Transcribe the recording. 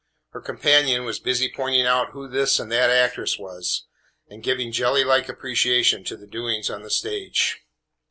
Her companion was busy pointing out who this and that actress was, and giving jelly like appreciation to the doings on the stage.